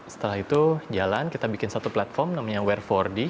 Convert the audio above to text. setelah itu jalan kita bikin satu platform namanya were empat d